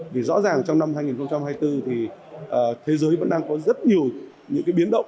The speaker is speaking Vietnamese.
vì rõ ràng trong năm hai nghìn hai mươi bốn thì thế giới vẫn đang có rất nhiều những cái biến động